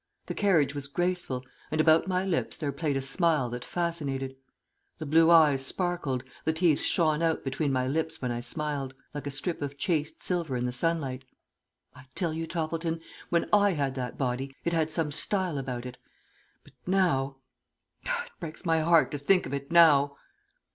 The carriage was graceful, and about my lips there played a smile that fascinated. The blue eyes sparkled, the teeth shone out between my lips when I smiled, like a strip of chased silver in the sunlight; I tell you, Toppleton, when I had that body it had some style about it; but now it breaks my heart to think of it now!"